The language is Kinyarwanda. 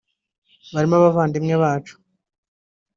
barimo abavandimwe bacu